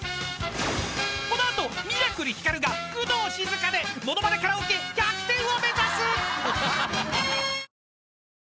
［この後ミラクルひかるが工藤静香でものまねカラオケ１００点を目指す］